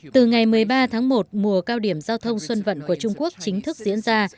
từ ngày một mươi ba tháng một mùa cao điểm giao thông xuân vận của trung quốc chính thức diễn ra